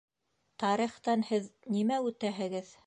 Тарихтан һеҙ нимә үтәһегеҙ?